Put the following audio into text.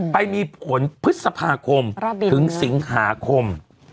ไปมีผลพฤษภาคมถึงสิงหาคม